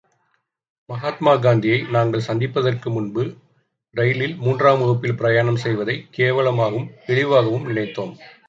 மகாத்மா காந்தியை நாங்கள் சந்திப்பதற்கு முன்பு, ரயிலில் மூன்றாம் வகுப்பில் பிரயாணம் செய்வதைக் கேவலமாகவும், இழிவாகவும் நினைத்தோம்.